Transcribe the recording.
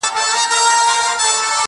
پرې ویده تېرېږي بله پېړۍ ورو ورو.!